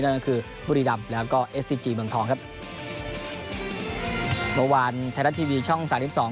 นั่นก็คือบุรีรำแล้วก็เอสซิจีเมืองทองครับเมื่อวานไทยรัฐทีวีช่องสามสิบสอง